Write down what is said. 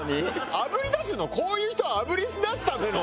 あぶり出すのこういう人をあぶり出すための。